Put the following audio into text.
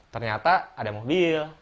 ternyata ada mobil